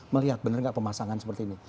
melihat benar nggak pemasangan seperti ini